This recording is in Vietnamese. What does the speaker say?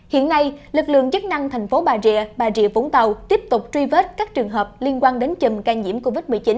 hiện nay lực lượng chức năng thành phố bà rịa bà rịa vũng tàu tiếp tục truy vết các trường hợp liên quan đến chùm ca nhiễm covid một mươi chín